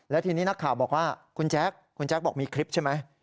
แล้วทีนี้นักข่าวบอกว่าคุณแจ๊คคุณแจ๊คบอกมีคลิปใช่ไหม